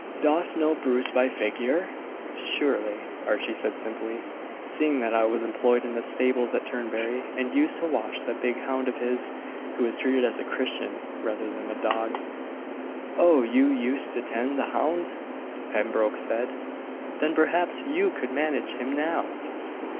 "Dost know Bruce by figure?" "Surely," Archie said simply, "seeing that I was employed in the stables at Turnberry, and used to wash that big hound of his, who was treated as a Christian rather than a dog." "Oh, you used to tend the hound!" Pembroke said. "Then perhaps you could manage him now.